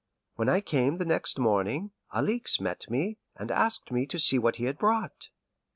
When I came the next morning, Alixe met me, and asked me to see what he had brought.